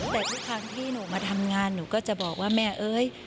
แต่ทุกครั้งที่หนูมาทำงานหนูก็จะบอกว่าแม่เอ้ย